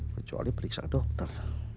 kecuali periksa dokter